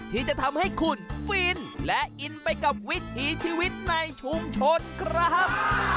ที่จะทำให้คุณฟินและอินไปกับวิถีชีวิตในชุมชนครับ